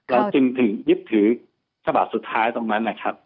เราจึงถึงยึดถือฉบับสุดท้ายตรงนั้นนะครับ